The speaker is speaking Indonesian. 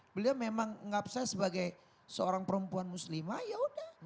beliau memang ngap saya sebagai seorang perempuan muslimah ya udah